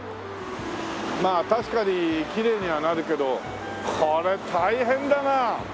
まあ確かにきれいにはなるけどこれ大変だな。